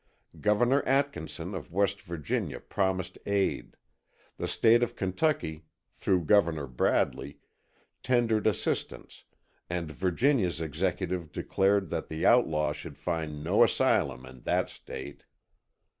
Governor Atkinson of West Virginia promised aid; the State of Kentucky, through Governor Bradley, tendered assistance, and Virginia's executive declared that the outlaw should find no asylum in that State.